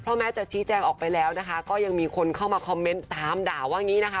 แม้จะชี้แจงออกไปแล้วนะคะก็ยังมีคนเข้ามาคอมเมนต์ตามด่าว่าอย่างนี้นะคะ